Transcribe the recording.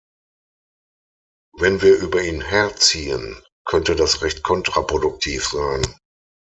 Wenn wir über ihn herziehen, könnte das recht kontraproduktiv sein.